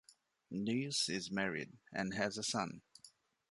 Nies is married and has a son.